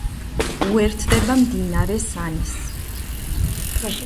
უერთდება მდინარე სანის.